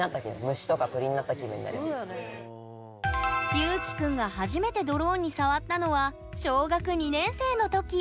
ゆうきくんが初めてドローンに触ったのは小学２年生の時。